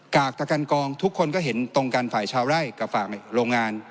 กากตะกันกองทุกคนก็เห็นตรงกันฝ่ายชาวไร่กับฝ่ายโรงงาน